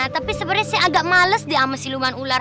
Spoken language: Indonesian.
tapi sebenarnya saya agak males dia sama siluman ular